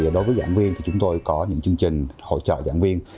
đối với giảng viên thì chúng tôi có những chương trình hỗ trợ giảng viên